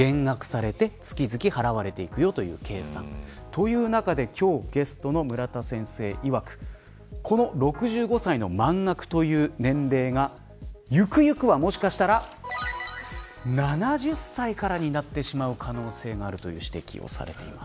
という中で今日ゲストの村田先生この６５歳の満額という年齢がゆくゆくは、もしかしたら７０歳からになってしまう可能性があるという指摘をされています。